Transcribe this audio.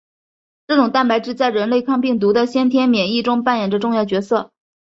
这种蛋白质在人类抗病毒的先天免疫中扮演着重要角色。